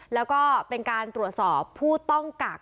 แล้วก็เป็นการตรวจสอบผู้ต้องกัก